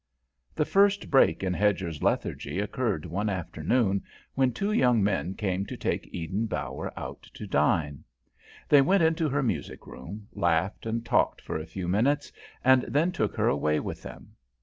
The first break in Hedger's lethargy occurred one afternoon when two young men came to take Eden Bower out to dine. They went into her music room, laughed and talked for a few minutes, and then took her away with them.